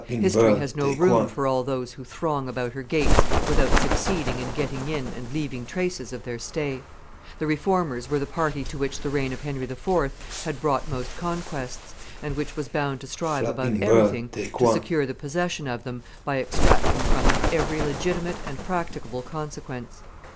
History has no room for all those who throng about her gates without succeeding in getting in and leaving traces of their stay. The reformers were the party to which the reign of Henry IV. had brought most conquests, and which was bound to strive above everything to secure the possession of them by extracting from them every legitimate and practicable consequence.